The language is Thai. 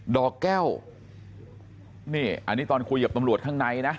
ดอกแก้วนี่อันนี้ตอนคุยกับตำรวจข้างในนะ